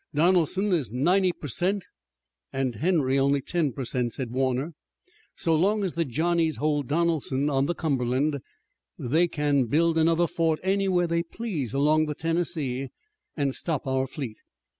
"Donelson is ninety per cent and Henry only ten per cent," said Warner. "So long as the Johnnies hold Donelson on the Cumberland, they can build another fort anywhere they please along the Tennessee, and stop our fleet.